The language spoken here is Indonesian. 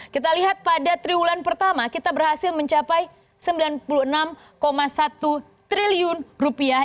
kita lihat pada triwulan pertama kita berhasil mencapai sembilan puluh enam satu triliun rupiah